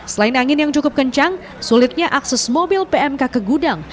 selain angin yang cukup kencang sulitnya akses mobil pmk ke gudang